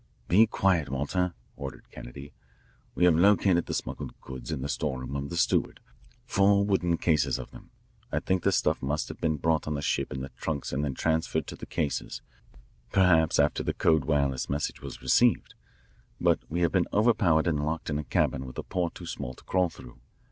"Be quiet, Walter," ordered Kennedy. "We have located the smuggled goods in the storeroom of the steward, four wooden cases of them. I think the stuff must have been brought on the ship in the trunks and then transferred to the cases, perhaps after the code wireless message was received. But we have been overpowered and locked in a cabin with a port too small to crawl through.